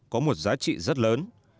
có một giá trị rất lớn